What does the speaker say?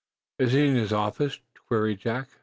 "Is he in his office?" queried Jack.